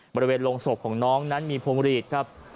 บริเวณโรงศพของน้องนั้นมีพงฤทธิ์